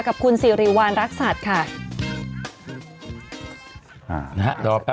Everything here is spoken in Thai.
กับคุณสิริวัณรักษัตริย์ค่ะ